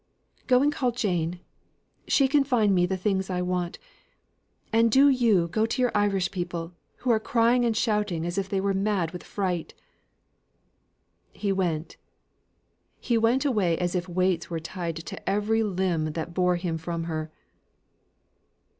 "Go and call Jane, she can find me the things I want; and do you go to your Irish people, who are crying and shouting as if they were mad with fright." He went. He went away as if weights were tied to every limb that bore him from her.